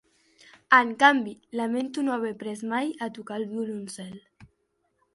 En canvi, lamento no haver après mai a tocar el violoncel.